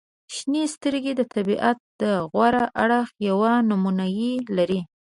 • شنې سترګې د طبیعت د غوره اړخ یوه نمونې لري.